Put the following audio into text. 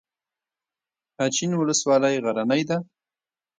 اچین ولسوالۍ غرنۍ ده؟